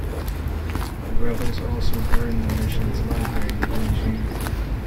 The rebels also burned the mission's library at Beijing.